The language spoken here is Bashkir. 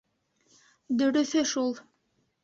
Дөрөҫө шул!